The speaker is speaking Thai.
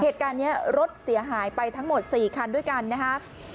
เหตุการณ์นี้รถเสียหายไปทั้งหมด๔คันด้วยกันนะครับ